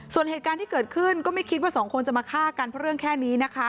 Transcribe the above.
ส่วนเหตุการณ์ที่เกิดขึ้นก็ไม่คิดว่าสองคนจะมาฆ่ากันเพราะเรื่องแค่นี้นะคะ